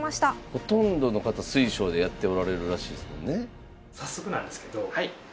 ほんとんどの方水匠でやっておられるらしいですもんね。